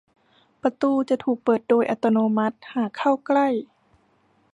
ประตูจะถูกเปิดโดยอัตโนมัติหากเข้าใกล้